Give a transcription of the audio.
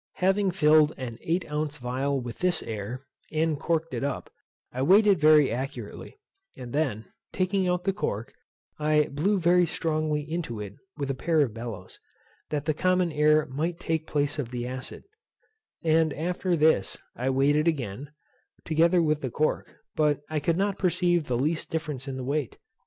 Having filled an eight ounce phial with this air, and corked it up, I weighed it very accurately; and then, taking out the cork, I blew very strongly into it with a pair of bellows, that the common air might take place of the acid; and after this I weighed it again, together with the cork, but I could not perceive the least difference in the weight.